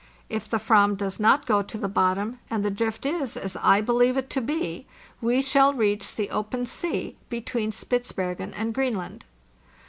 If the /vam does not go to the bottom, and the drift is as I believe it to be, we shall reach the open sea between Spitzbergen and Greenland."